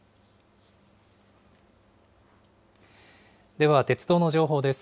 では鉄道の情報です。